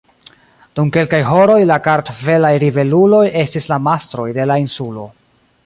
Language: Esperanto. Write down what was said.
Dum kelkaj horoj, la kartvelaj ribeluloj estis la mastroj de la insulo.